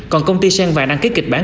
còn công ty seng vang đăng ký kịch bản